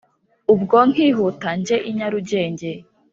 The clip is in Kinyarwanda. ubwo nkihuta njye i nyarugenge.